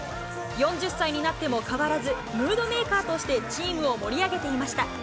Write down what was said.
４０歳になっても変わらず、ムードメーカーとしてチームを盛り上げていました。